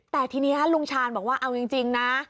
แต่ทีนี้ลุงชาญบอกว่าเอาจริงนะ